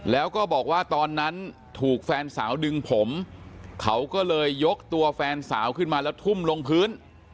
แล้วก็บอกว่าตอนนั้นถูกแฟนสาวดึงผมเขาก็เลยยกตัวแฟนสาวขึ้นมาแล้วทุ่มลงพื้น